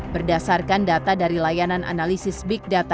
berdasarkan data dari layanan analisis big data